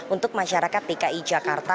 untuk masyarakat dki jakarta